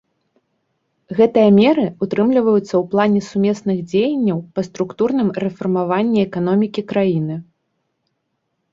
Гэтыя меры ўтрымліваюцца ў плане сумесных дзеянняў па структурным рэфармаванні эканомікі краіны.